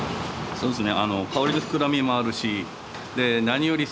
そうっすね。